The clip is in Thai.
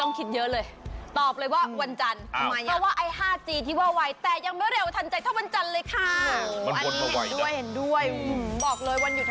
นึงวันมีกี่สัปดาห์นะนะ